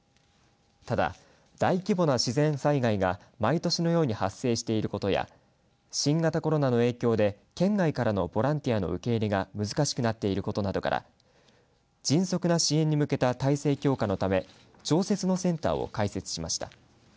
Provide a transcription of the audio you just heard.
ただ、大規模な自然災害が毎年のように発生していることや新型コロナの影響で県外からのボランティアの受け入れが難しくなっていることなどから迅速な支援に向けた体制強化のため常設のセンターを開設しました。